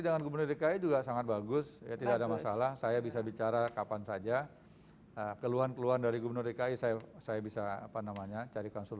dari awal harusnya